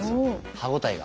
歯応えが。